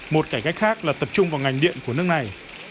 một cải cách khác là tập trung vào ngành điện của nước này